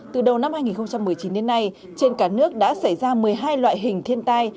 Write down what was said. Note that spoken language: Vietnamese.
từ đầu năm hai nghìn một mươi chín đến nay trên cả nước đã xảy ra một mươi hai loại hình thiên tai